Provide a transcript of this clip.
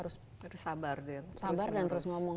memang mau gak mau kita harus sabar dan terus ngomong